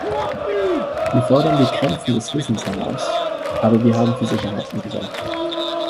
Wir fordern die Grenzen des Wissens heraus, aber wir haben für Sicherheiten gesorgt.